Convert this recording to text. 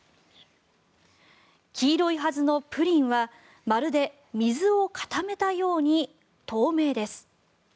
黄色いはずのプリンはまるで水を固めたように透明です。